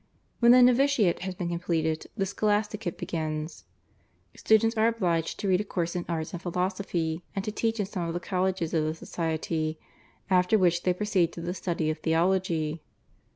When the novitiate has been completed the scholasticate begins. Students are obliged to read a course in arts and philosophy and to teach in some of the colleges of the society, after which they proceed to the study of theology.